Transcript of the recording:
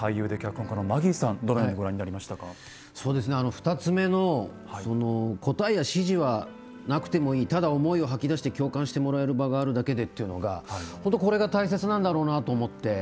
２つ目の答えや指示はなくてもいいただ思いを吐き出して共感してもらえる場があるだけでっていうのが本当これが大切なんだろうなと思って。